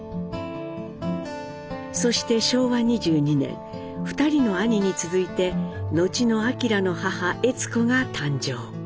そして昭和２２年２人の兄に続いてのちの明の母・悦子が誕生。